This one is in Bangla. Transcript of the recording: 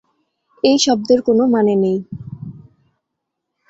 এই শব্দের কোনো মানে নেই।